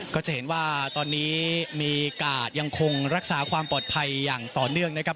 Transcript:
ก็จะเห็นว่าตอนนี้มีกาดยังคงรักษาความปลอดภัยอย่างต่อเนื่องนะครับ